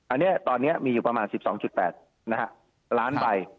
อันนี้ตอนนี้มีอยู่ประมาณ๑๒๘นะฮะล้านใบ